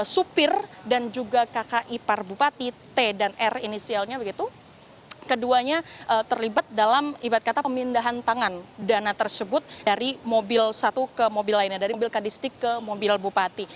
supir dan juga kakak ipar bupati t dan r inisialnya begitu keduanya terlibat dalam ibad kata pemindahan tangan dana tersebut dari mobil satu ke mobil lainnya dari mobil kadistik ke mobil bupati